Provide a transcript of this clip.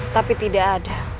tapi tidak ada